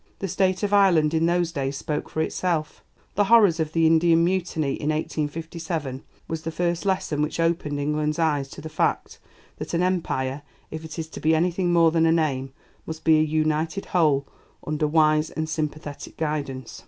The state of Ireland in those days spoke for itself. The horrors of the Indian Mutiny in 1857 was the first lesson which opened England's eyes to the fact that an Empire, if it is to be anything more than a name, must be a united whole under wise and sympathetic guidance.